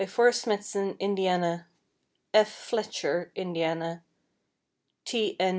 Forest Smithson, Indiana; F. Fletcher, Indiana; T. N.